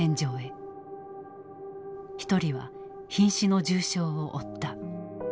一人はひん死の重傷を負った。